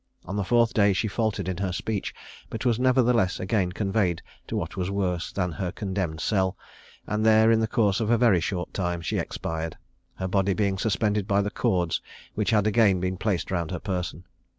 On the fourth day she faltered in her speech, but was nevertheless again conveyed to what was worse than her condemned cell, and there, in the course of a very short time, she expired, her body being suspended by the cords which had been again placed round her person.